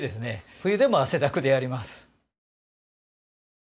冬でも汗だくでやります。